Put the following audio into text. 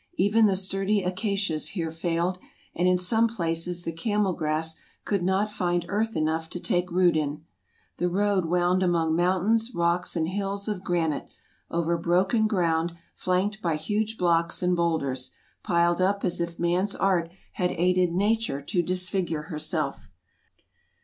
Even the sturdy acacias here failed, and in some places the camel grass could not find earth enough to take root in. The road wound among mountains, rocks, and hills of gran ite, over broken ground, flanked by huge blocks and bowlders, piled up as if man's art had aided nature to dis figure herself.